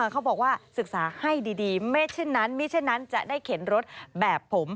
เขาบอกว่าศึกษาให้ดีไม่เช่นนั้นไม่เช่นนั้นจะได้เข็นรถแบบผม